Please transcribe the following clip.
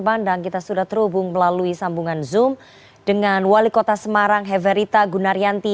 bandang kita sudah terhubung melalui sambungan zoom dengan wali kota semarang heverita gunaryanti